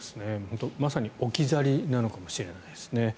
まさに置き去りなのかもしれないですね。